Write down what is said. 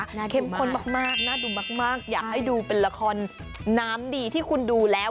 เข้มข้นมากน่าดูมากอยากให้ดูเป็นละครน้ำดีที่คุณดูแล้ว